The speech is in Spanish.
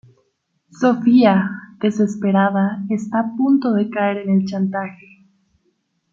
Sofia, desesperada, está a punto de caer en el chantaje.